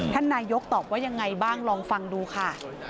ท่านนายกตอบว่ายังไงบ้างลองฟังดูค่ะ